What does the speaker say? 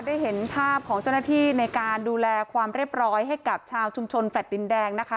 ได้เห็นภาพของเจ้าหน้าที่ในการดูแลความเรียบร้อยให้กับชาวชุมชนแฟลต์ดินแดงนะคะ